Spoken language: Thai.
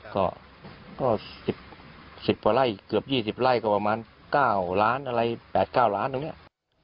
ก็๑๐ประไล่เกือบ๒๐ประไล่ก็ประมาณ๙ล้านอะไร๘๙ล้านถึงเนี่ย